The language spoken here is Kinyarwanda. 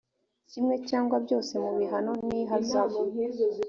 kimwe cyangwa byose mu bihano n ihazabu